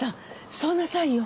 そうなさいよ。